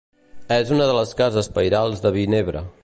És una de les cases pairals de Vinebre.